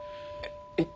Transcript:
えっ？